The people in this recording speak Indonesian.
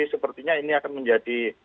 sepertinya ini akan menjadi